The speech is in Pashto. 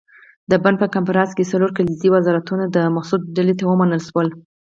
د بُن په کنفرانس کې څلور کلیدي وزارتونه د مسعود ډلې ته ومنل شول.